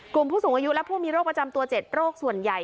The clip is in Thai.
ผู้สูงอายุและผู้มีโรคประจำตัว๗โรคส่วนใหญ่